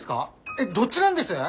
えっどっちなんです？